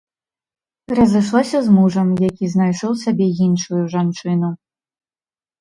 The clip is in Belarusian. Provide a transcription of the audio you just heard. Разышлася з мужам, які знайшоў сабе іншую жанчыну.